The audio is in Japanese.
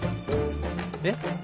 えっ？